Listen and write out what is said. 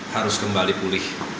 harus kembali pulih